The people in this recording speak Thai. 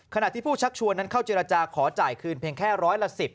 ขณะที่ผู้ชักชวนนั้นเข้าเจรจาขอจ่ายคืนเพียงแค่ร้อยละ๑๐